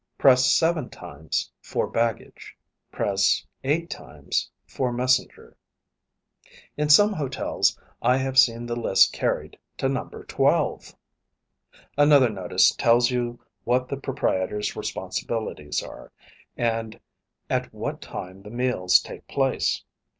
" seven "" baggage. " eight "" messenger. In some hotels I have seen the list carried to number twelve. Another notice tells you what the proprietor's responsibilities are, and at what time the meals take place.